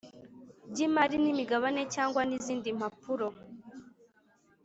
Ry imari n imigabane cyangwa izindi mpapuro